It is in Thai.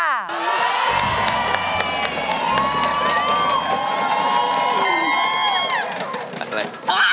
อะไร